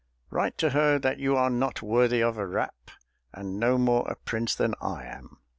Write to her that you are not worthy of a rap, and no more a Prince than I am!"